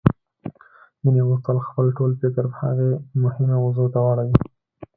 مينې غوښتل خپل ټول فکر هغې مهمې موضوع ته واړوي.